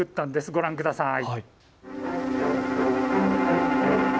ご覧ください。